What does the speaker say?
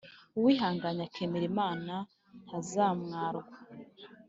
uwihanganye akemera Imana ntazamwarwa